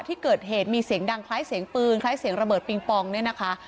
ที่เกิดเหตุมีเสียงดังคล้ายเสียงปืนคล้ายเสียงระเบิดปิงปองเนี่ยนะคะ